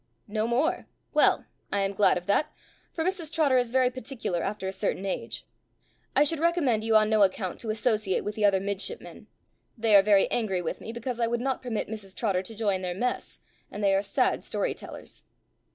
"No more! well, I am glad of that, for Mrs Trotter is very particular after a certain age. I should recommend you on no account to associate with the other midshipmen. They are very angry with me, because I would not permit Mrs Trotter to join their mess, and they are sad storytellers."